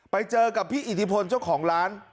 ไปเจอกับพี่อิทธิพลเจ้าของร้าน